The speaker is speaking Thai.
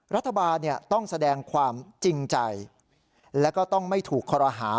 รัฐบาลต้องแสดงความจริงใจแล้วก็ต้องไม่ถูกคอรหา